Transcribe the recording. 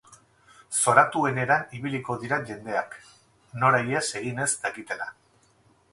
Zoratuen eran ibiliko dira jendeak, nora ihes egin ez dakitela.